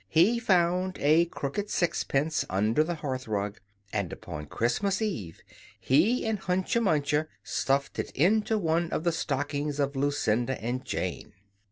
He found a crooked sixpence under the hearth rug; and upon Christmas Eve, he and Hunca Munca stuffed it into one of the stockings of Lucinda and Jane.